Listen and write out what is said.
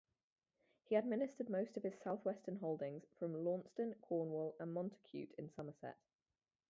He administered most of his southwestern holdings from Launceston, Cornwall, and Montacute in Somerset.